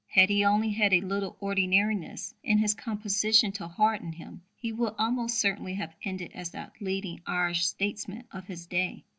Had he only had a little ordinariness in his composition to harden him, he would almost certainly have ended as the leading Irish statesman of his day.